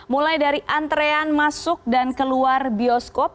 mulai dari antrean masuk dan keluar bioskop